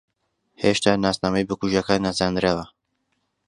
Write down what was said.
ھێشتا ناسنامەی بکوژەکە نەزانراوە.